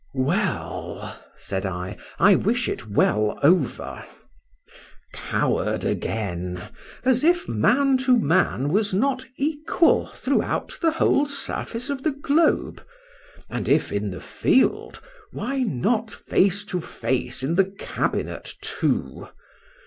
Well! said I, I wish it well over.—Coward again! as if man to man was not equal throughout the whole surface of the globe; and if in the field—why not face to face in the cabinet too?